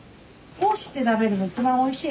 こうして食べるの一番おいしい。